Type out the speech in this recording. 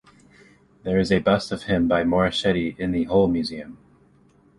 There is a bust of him by Morochetti in the Hull museum.